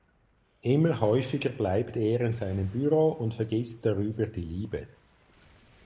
Immer häufiger bleibt er in seinem Büro und vergisst darüber die Liebe.